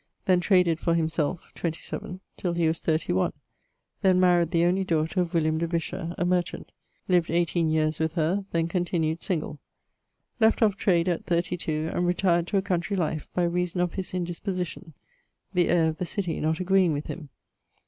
Then traded for himselfe (27) till he was 31; then maried the only daughter of William de Vischer, a merchant; lived 18 yeares with her, then continued single. Left off trade at 32, and retired to a countrey life, by reason of his indisposition, the ayre of the citie not agreing with him.